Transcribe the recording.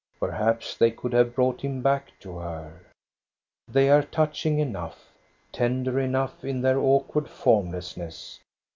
Perhaps they could have brought him back to her. They are touching enough, tender enough in their awkward formlessness.